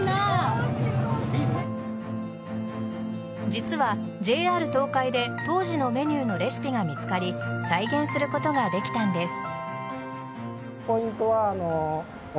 実はＪＲ東海で当時のメニューのレシピが見つかり再現することができたんです。